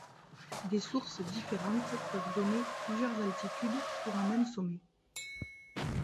Des sources différentes peuvent donner plusieurs altitudes pour un même sommet.